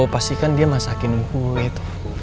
pastikan dia masakin kue tuh